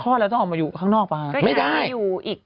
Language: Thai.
ก็จะออกมาอยู่ข้างนอกไปหรือเปล่าไม่ได้